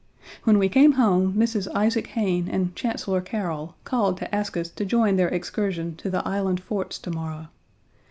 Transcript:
When we came home Mrs. Isaac Hayne and Chancellor Carroll called to ask us to join their excursion to the Island Forts to morrow.